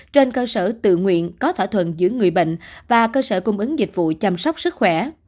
trên cơ sở tự nguyện có thỏa thuận giữa người bệnh và cơ sở cung ứng dịch vụ chăm sóc sức khỏe